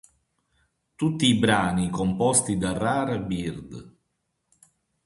Tutti i brani composti da Rare Bird.